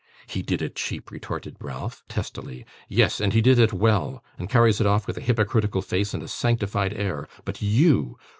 'He did it cheap!' retorted Ralph, testily; 'yes, and he did it well, and carries it off with a hypocritical face and a sanctified air, but you!